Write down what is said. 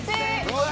うわ！